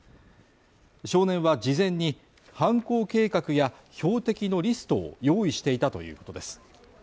少年は事前に犯行計画や、標的のリストを用意していたということです。